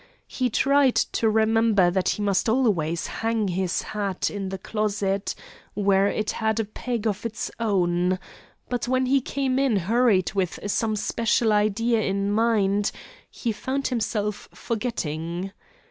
He tried to remember that he must always hang his hat in the closet, where it had a peg of its own, but when he came in hurried with some special idea in mind, he found himself forgetting.